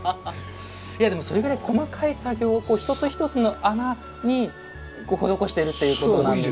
いやでもそれぐらい細かい作業を一つ一つの穴に施してるっていうことなんですよね。